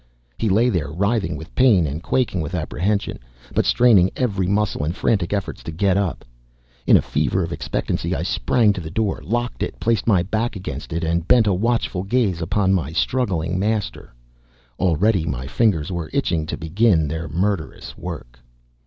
He lay there writhing with pain and quaking with apprehension, but straining every muscle in frantic efforts to get up. In a fever of expectancy I sprang to the door, locked it, placed my back against it, and bent a watchful gaze upon my struggling master. Already my fingers were itching to begin their murderous work.